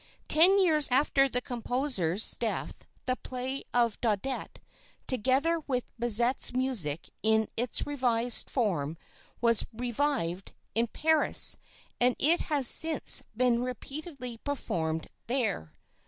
Ten years after the composer's death the play of Daudet, together with Bizet's music in its revised form, was revived in Paris, and it has since been repeatedly performed there.